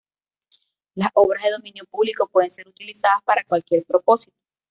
Las obras de dominio público pueden ser utilizadas para cualquier propósito.